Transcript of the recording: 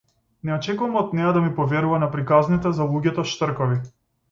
Не очекувам од неа да ми поверува на приказните за луѓето-штркови.